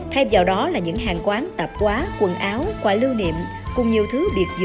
hòn phụ tử